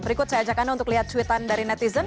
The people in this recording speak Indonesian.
berikut saya ajak anda untuk lihat cuitan dari netizen